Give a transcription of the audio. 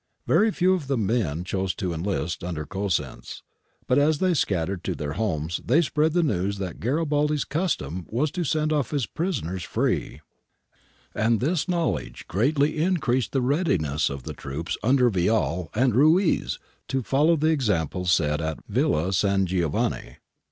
Very few of the men chose to enhst under Cosenz, but as they scattered to their homes they spread the news that Garibaldi's custom was to send off his prisoners free, and this knowledge ' Conv. Sclavo (eye witness). 138 GARIBALDI AND THE MAKING OF ITALY greatly increased the readiness of the troops under Vial and Ruiz to follow the example set at Villa San Giovanni.